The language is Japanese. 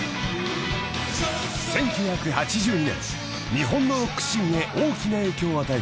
［日本のロックシーンへ大きな影響を与えた］